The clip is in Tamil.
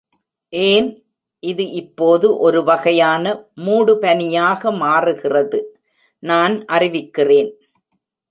ஏன், இது இப்போது ஒரு வகையான மூடுபனியாக மாறுகிறது, நான் அறிவிக்கிறேன்!